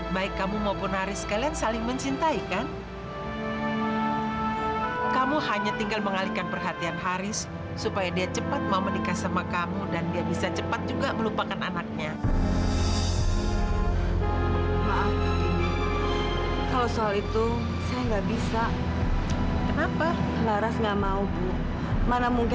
sampai jumpa di video selanjutnya